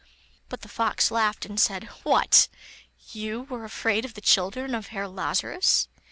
But the fox laughed, and said: 'What! you were afraid of the children of Herr Lazarus?